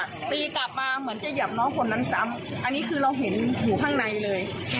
ตีกลับมาเหมือนจะเหยียบน้องคนนั้นซ้ำอันนี้คือเราเห็นอยู่ข้างในเลย